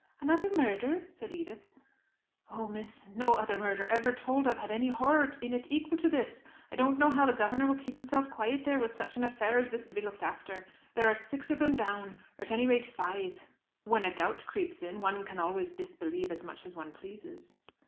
"Another murder?" said Edith. "Oh, miss, no other murder ever told of had any horror in it equal to this! I don't know how the governor will keep himself quiet there, with such an affair as this to be looked after. There are six of them down, or at any rate five." "When a doubt creeps in, one can always disbelieve as much as one pleases."